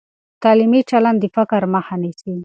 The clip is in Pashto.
تعلیمي چلند د فقر مخه نیسي.